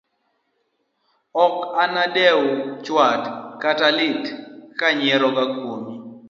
Ok anadew chwat kata lit kayiengora kuomi.